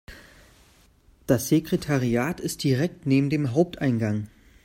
Das Sekretariat ist direkt neben dem Haupteingang.